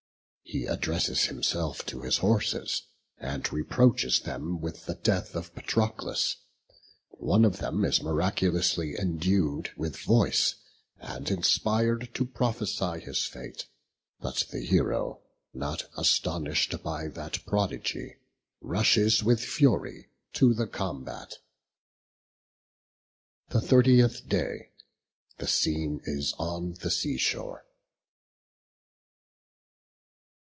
He addresses himself to his horses, and reproaches them with the death of Patroclus. One of them is miraculously endued with voice, and inspired to prophesy his fate; but the hero, not astonished by that prodigy, rushes with fury to the combat. The thirtieth day. The scene is on the sea shore.